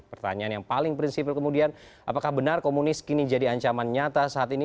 pertanyaan yang paling prinsipil kemudian apakah benar komunis kini jadi ancaman nyata saat ini